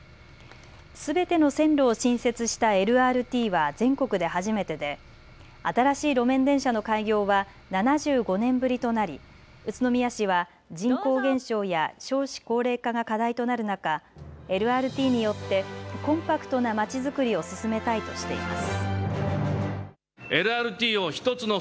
すべての線路を新設したＬＲＴは全国で初めてで新しい路面電車の開業は７５年ぶりとなり宇都宮市は人口減少や少子高齢化が課題となる中、ＬＲＴによってコンパクトなまちづくりを進めたいとしています。